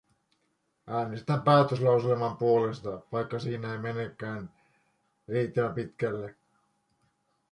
Äänestän päätöslauselman puolesta, vaikka siinä ei mennäkään riittävän pitkälle.